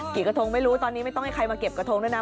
กระทงไม่รู้ตอนนี้ไม่ต้องให้ใครมาเก็บกระทงด้วยนะ